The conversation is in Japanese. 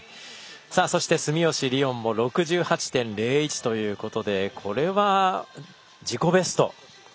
そして住吉りをんも６８．０１ということでこれは自己ベスト。